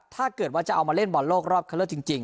ถ้าเกิดว่าจะเอามาเล่นบอลโลกรอบคันเลือกจริง